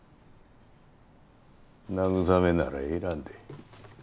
慰めならいらんで。